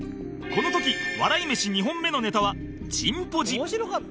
この時笑い飯２本目のネタは「チンポジ」